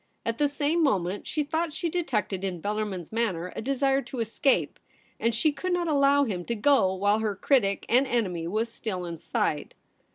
At the same moment she thought she detected in Bellar min's manner a desire to escape, and she could not allow him to go while her critic and enemy was still in sight.